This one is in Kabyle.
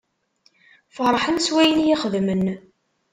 Ferḥen s wayen iyi-xedmen.